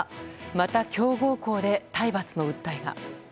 また強豪校で体罰の訴えが。